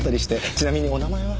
ちなみにお名前は？